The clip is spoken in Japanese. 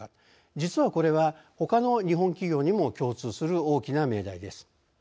実はこれはほかの日本企業にも共通する大きな命題です。